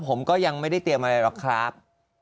ผมก็ยังไม่ได้เตรียมอะไรหรอกครับ